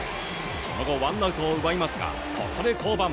その後、ワンアウトを奪いますがここで降板。